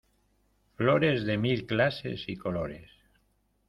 Flores de mil clases y colores.